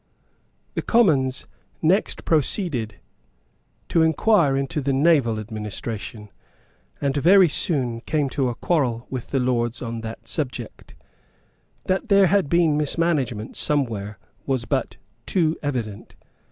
The Commons next proceeded to inquire into the naval administration, and very soon came to a quarrel with the Lords on that subject. That there had been mismanagement somewhere was but too evident.